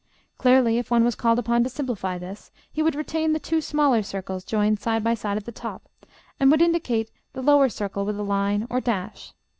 Clearly, if one was called upon to simplify this, he would retain the two small circles joined side by side at the top, and would indicate the lower circle with a line or dash.